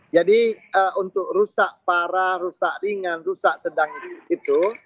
jadi untuk rusak parah rusak ringan rusak sedang itu